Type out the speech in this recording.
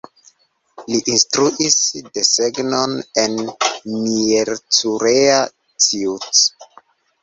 Li instruis desegnon en Miercurea Ciuc.